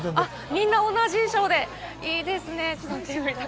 みんな同じ衣装でいいですね。